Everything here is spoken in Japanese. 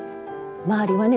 周りはね